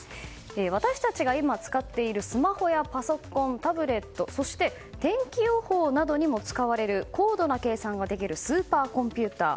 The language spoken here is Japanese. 私たちが今使っているスマホやパソコンタブレットそして天気予報などにも使われる高度な計算ができるスーパーコンピューター。